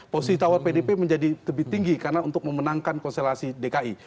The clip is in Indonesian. positif tawar pdip menjadi lebih tinggi karena untuk memenangkan konselasi dki